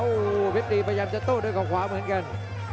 โอ้โหเพชรดีพยายามจะโต้ด้วยเขาขวาเหมือนกัน